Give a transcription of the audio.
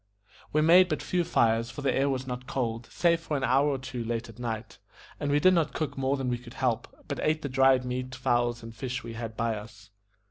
We made but few fires, for the air was not cold, save for an hour or two late at night, and we did not cook more than we could help, but ate the dried meat, fowls, and fish we had by us.